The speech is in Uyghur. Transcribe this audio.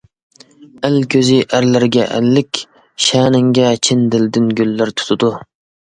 ئەل كۆزى ئەرلەرگە ئەللىك. شەنىڭگە چىن دىلدىن گۈللەر تۇتىدۇ.